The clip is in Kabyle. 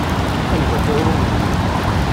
Anda-t uɣrum-nni?